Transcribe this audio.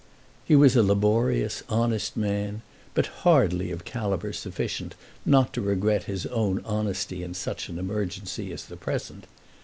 He was a laborious, honest man, but hardly of calibre sufficient not to regret his own honesty in such an emergency as the present.